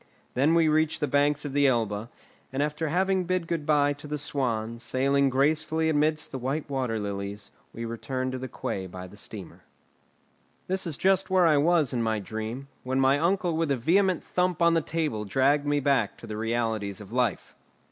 Then we reached the banks of the Elbe, and after having bid good bye to the swan, sailing gracefully amidst the white water lilies, we returned to the quay by the steamer. That is just where I was in my dream, when my uncle with a vehement thump on the table dragged me back to the realities of life.